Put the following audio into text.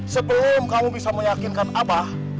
sebelum kamu bisa meyakinkan apa